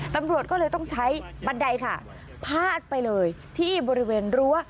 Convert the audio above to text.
ตำรวจก็เลยต้องใช้บันไดค่ะพาดไปเลยที่บริเวณรั้ว